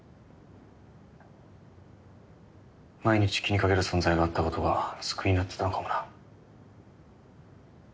毎日気にかける存在があった事が救いになってたのかもな。